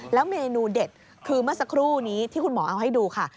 แล้วเมนูเด็ดคือเมื่อสักครู่นี้ที่คุณหมอเอาให้ดูค่ะ